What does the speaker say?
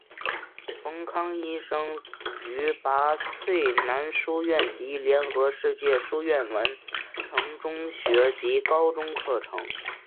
冯康医生于拔萃男书院及联合世界书院完成中学及高中课程。